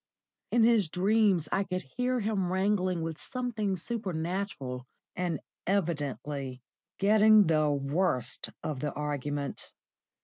In his dreams I could hear him wrangling with something supernatural, and evidently getting the worst of the argument.